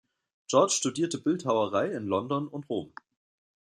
George studierte Bildhauerei in London und Rom.